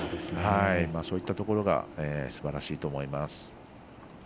そういったところがすばらしいと思います。